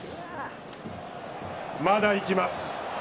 まだいきます